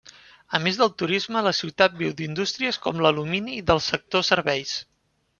A més del turisme la ciutat viu d'indústries com l'alumini i del sector serveis.